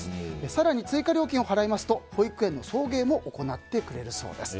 更に追加料金を払いますと保育園の送迎も行ってくれるそうです。